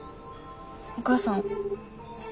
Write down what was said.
お母さんは？